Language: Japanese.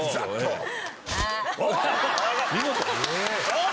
見事！